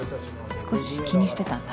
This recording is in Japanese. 少し気にしてたんだ」。